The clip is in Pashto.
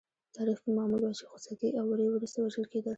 تاریخ کې معمول وه چې خوسکي او وری وروسته وژل کېدل.